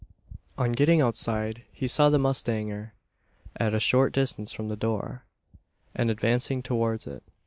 On getting outside, he saw the mustanger at a short distance from the door, and advancing towards it.